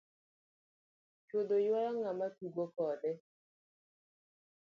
Choudho ywayo ng'ama tugo kode.